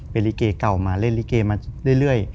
เป็นลิเกเก่ามาเล่นลิเกมาเรื่อย